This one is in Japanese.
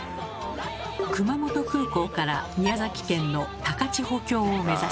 熊本空港から宮崎県の高千穂峡を目指します。